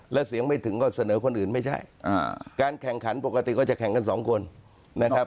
แล้วเสียงไม่ถึงก็เสนอคนอื่นไม่ใช่การแข่งขันปกติก็จะแข่งกันสองคนนะครับ